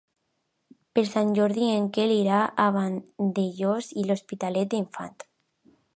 Per Sant Jordi en Quel irà a Vandellòs i l'Hospitalet de l'Infant.